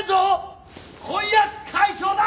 婚約解消だ！